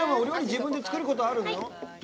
自分で作ることあるの？